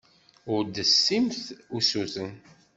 Ur d-tessimt usuten.